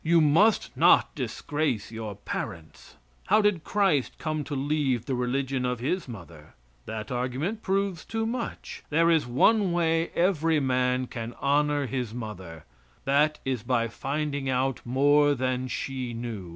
You must not disgrace your parents. How did Christ come to leave the religion of His mother? That argument proves too much. There is one way every man can honor his mother that is by finding out more than she knew.